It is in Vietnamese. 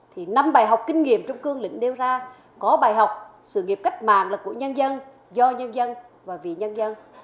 thì năm bài học kinh nghiệm trong cương lĩnh nêu ra có bài học sự nghiệp cách mạng là của nhân dân do nhân dân và vì nhân dân